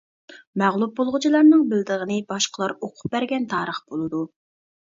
مەغلۇپ بولغۇچىلارنىڭ بىلىدىغىنى باشقىلار ئوقۇپ بەرگەن تارىخ بولىدۇ.